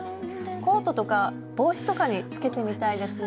コートとか帽子とかにつけてみたいですね。